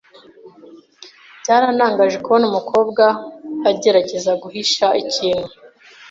Byarantangaje kubona umukobwa agerageza guhisha ikintu.